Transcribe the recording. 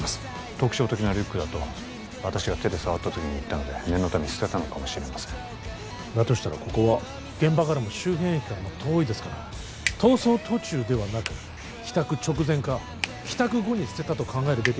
特徴的なリュックだと私が手で触った時に言ったので念のため捨てたのかもしれませんだとしたらここは現場からも周辺駅からも遠いですから逃走途中ではなく帰宅直前か帰宅後に捨てたと考えるべきでしょうね